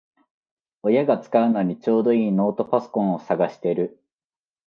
親が使うのにちょうどいいノートパソコンを探してる